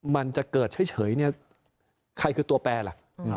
มันจะเกิดเฉยเนี่ยใครคือตัวแปลล่ะ